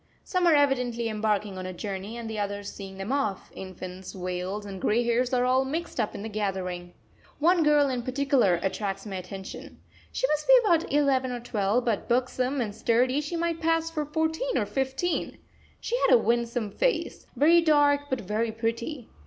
Some are evidently embarking on a journey and the others seeing them off; infants, veils, and grey hairs are all mixed up in the gathering. One girl in particular attracts my attention. She must be about eleven or twelve; but, buxom and sturdy, she might pass for fourteen or fifteen. She has a winsome face very dark, but very pretty.